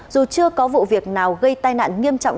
dù chưa có vụ việc nào gây tai nạn nghiêm trọng